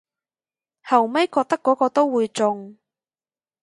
後咪覺得個個都會中